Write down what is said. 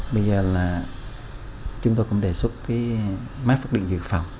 bây giờ là chúng tôi cũng đề xuất máy phục định dự phòng